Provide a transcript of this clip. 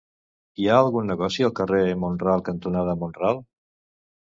Hi ha algun negoci al carrer Mont-ral cantonada Mont-ral?